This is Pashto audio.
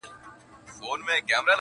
د پښتنو درنې جرګې به تر وړۍ سپکي سي؛